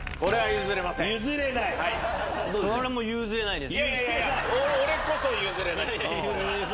譲れないです。